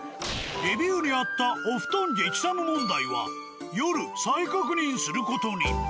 レビューにあったお布団激寒問題は夜再確認する事に。